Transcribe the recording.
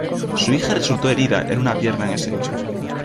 Su hija resultó herida en una pierna en ese hecho.